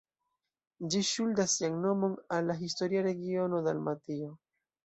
Ĝi ŝuldas sian nomon al la historia regiono Dalmatio.